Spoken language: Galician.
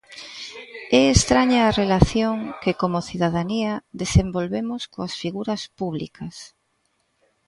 É estraña a relación que, como cidadanía, desenvolvemos coas figuras públicas.